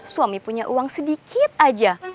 suami punya uang sedikit aja